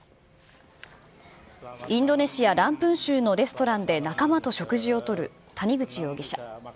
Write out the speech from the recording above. インドネシア・ランプン州のレストランで仲間と食事をとる谷口容疑者。